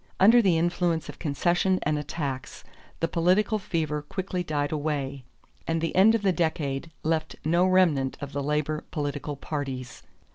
Under the influence of concessions and attacks the political fever quickly died away, and the end of the decade left no remnant of the labor political parties.